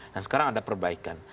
dan sekarang ada perbaikan